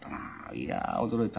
「いやー驚いた。